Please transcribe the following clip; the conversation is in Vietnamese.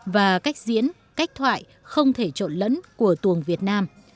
và cách diễn cách thoại không thể trộn lẫn của tuồng việt nam